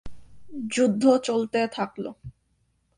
যুদ্ধ চলতে থাকল।